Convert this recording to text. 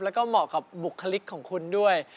แล้วก็เหมาะกับบุคลิกของคุณด้วย